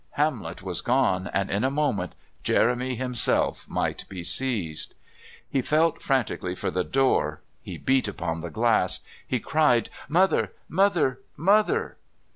Hamlet was gone and in a moment Jeremy himself might be seized... He felt frantically for the door; he beat upon the glass. He cried "Mother! Mother! Mother!"